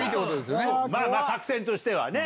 まぁ作戦としてはね。